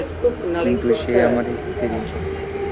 কিন্তু, সে আমার স্ত্রী।